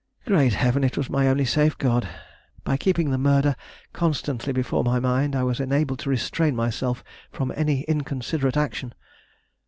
Great heaven! it was my only safeguard. By keeping the murder constantly before my mind, I was enabled to restrain myself from any inconsiderate action.